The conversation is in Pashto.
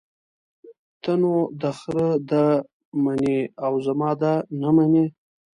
ته نو دخره ده منې او زما ده نه منې.